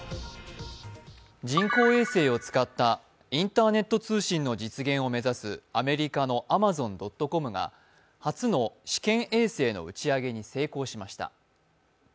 人工衛星を使ったインターネット通信の実現を目指す、アメリカのアマゾン・ドット・コムが初の試験衛星の打ち上げに成功しました。